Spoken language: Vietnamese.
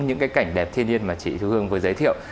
những cái cảnh đẹp thiên nhiên mà chị hương vừa giới thiệu